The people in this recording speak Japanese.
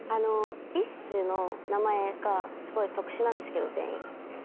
ＢｉＳＨの名前がすごい特殊なんですけど全員。